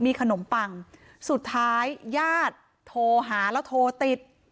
มีขนมปังสุดท้ายญาติโทรหาแล้วโทรติด